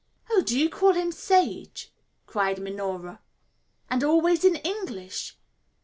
"Oh, do you call him Sage?" cried Minora; "and always in English?"